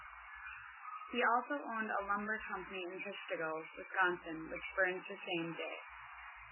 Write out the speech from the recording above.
He also owned a lumber company in Peshtigo, Wisconsin, which burned the same day.